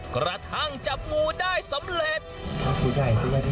กระทั่งจับงูได้สำเร็จ